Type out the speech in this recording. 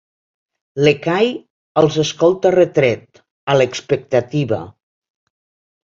L'Ekahi els escolta retret, a l'expectativa.